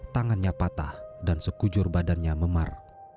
tangannya patah dan sekujur badannya memar